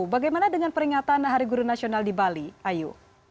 bagaimana dengan peringatan hari guru nasional di bali ayu